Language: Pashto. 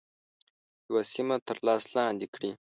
یوه سیمه تر لاس لاندي کړي.